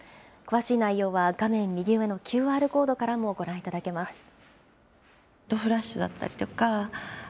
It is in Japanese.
詳しい内容は画面右上のＱＲコードからもご覧いただけます。